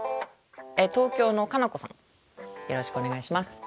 よろしくお願いします。